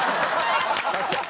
確かに。